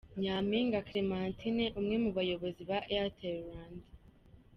Nyampinga Clementine umwe mu bayobozi ba Airtel Rwanda.